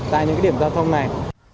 tại những điểm giao thông này